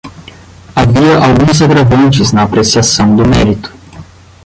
Havia alguns agravantes na apreciação do mérito